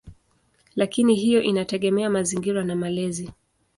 Lakini hiyo inategemea mazingira na malezi.